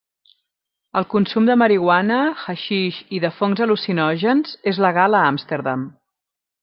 El consum de marihuana, haixix i de fongs al·lucinògens és legal a Amsterdam.